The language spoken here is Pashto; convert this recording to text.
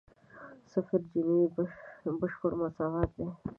صفر جیني بشپړ مساوات دی.